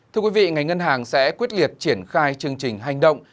thưa quý vị ngành ngân hàng sẽ quyết liệt triển khai chương trình hành động